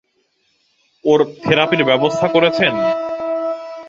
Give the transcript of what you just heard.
ওর থেরাপির ব্যবস্থা করেছেন?